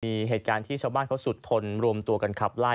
มีเหตุการณ์ที่ชาวบ้านเขาสุดทนรวมตัวกันขับไล่